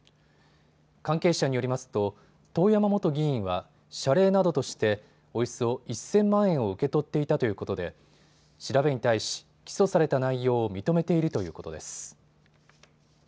関係者によりますと遠山元議員は謝礼などとしておよそ１０００万円を受け取っていたということで調べに対し、起訴された内容を認めているということです。